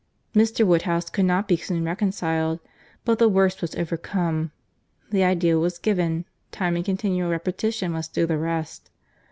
Mr. Woodhouse could not be soon reconciled; but the worst was overcome, the idea was given; time and continual repetition must do the rest.